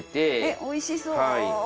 おいしそう。